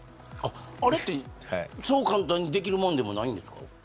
あれは、そう簡単にできるもんじゃないんですか。